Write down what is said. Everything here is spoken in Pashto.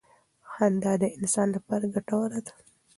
خندا د انسان لپاره ګټوره ده.